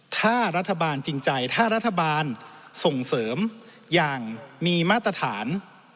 ถ้ารัฐบาลจริงใจถ้ารัฐบาลส่งเสริมอย่างมีมาตรฐาน